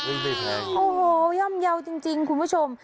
โอ้โหย่อมเยาว์จริงคุณผู้ชม